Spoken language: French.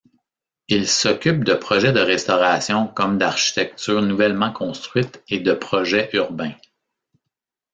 Il s’occupe de projets de restauration comme d’architectures nouvellement construites et de projets urbains.